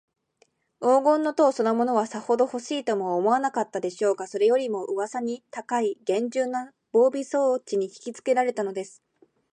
黄金の塔そのものは、さほどほしいとも思わなかったでしょうが、それよりも、うわさに高いげんじゅうな防備装置にひきつけられたのです。